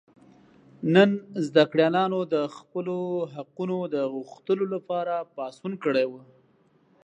نن زده کړیالانو د خپلو حقونو د غوښتلو لپاره پاڅون کړی و.